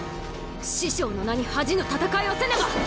師匠の名に恥じぬ戦いをせねば！